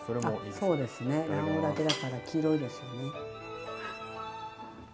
そうですね卵黄だけだから黄色いですよね。